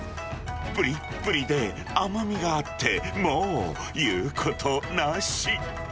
ぷりっぷりで、甘みがあって、もう言うことなし。